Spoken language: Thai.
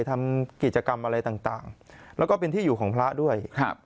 ทำกิจกรรมอะไรต่างแล้วก็เป็นที่อยู่ของพระด้วยครับ